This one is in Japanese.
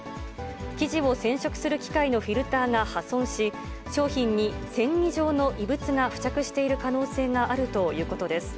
生地を染色する機械のフィルターが破損し、商品に繊維状の異物が付着している可能性があるということです。